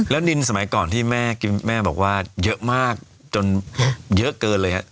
แล้วดินสมัยก่อนที่แม่บอกว่าเยอะมากจนเยอะเกินเลยครับ